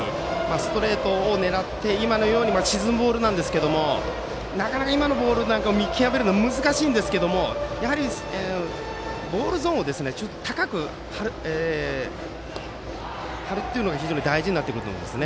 ストレートを狙って今のように沈むボールなんですがなかなか今のボールなんかを見極めるのは難しいんですがボールゾーンを高く張るというのが非常に大事になると思います。